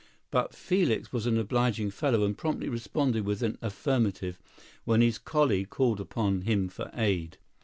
But Felix was an obliging fellow, and promptly responded with an affirmative when his colleague called upon him for aid.